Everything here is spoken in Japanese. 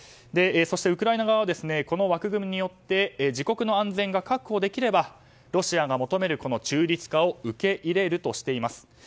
そして、ウクライナ側はこの枠組みによって自国の安全が確保できればロシアが求める中立化を受け入れるとしています。